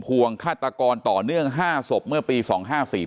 เป็นวันที่๑๕ธนวาคมแต่คุณผู้ชมค่ะกลายเป็นวันที่๑๕ธนวาคม